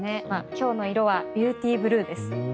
今日の色はビューティーブルーです。